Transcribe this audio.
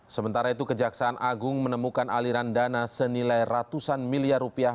sementara itu kejaksaan agung menemukan aliran dana senilai ratusan miliar rupiah